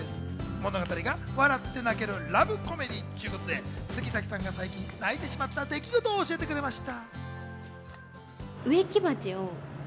物語が笑って泣けるラブコメディーということで、杉咲さんが最近、泣いてしまった出来事を教えてくれました。